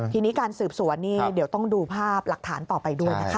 ทีนี้การสืบสวนนี่เดี๋ยวต้องดูภาพหลักฐานต่อไปด้วยนะคะ